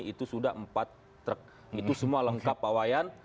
itu sudah empat truk itu semua lengkap pak wayan